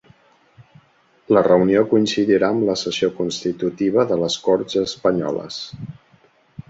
La reunió coincidirà amb la sessió constitutiva de les corts espanyoles.